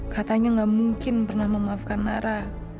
katanya gak mungkin pernah memaafkan nara